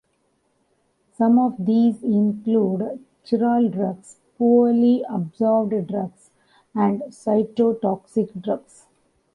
Some of these include chiral drugs, poorly absorbed drugs, and cytotoxic drugs.